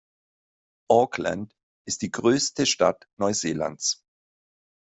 Auckland ist die größte Stadt Neuseelands.